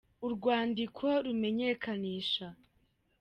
Urwandiko rumenyekanisha